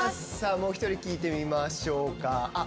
もう１人聞いてみましょうか。